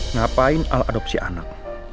ngapain al adopsi anak